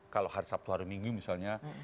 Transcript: kalau hari sabtu hari minggu misalnya